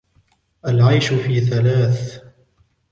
الْعَيْشُ فِي ثَلَاثٍ